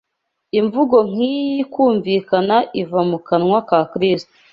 Imvugo nk’iyi kumvikana iva mu kanwa ka Kristo